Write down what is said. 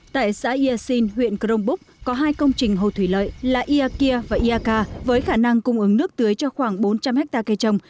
tại xã yersin huyện crong búc có hai công trình hồ thủy lợi là iakia và iaka với khả năng cung ứng nước tưới cho khoảng bốn trăm linh hectare cây trồng